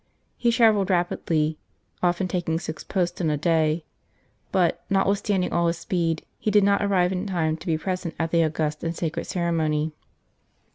He travelled rapidly, often taking six posts in a day ; but, notwithstanding all his speed, he did not arrive in time to be present at the august and sacred ceremony.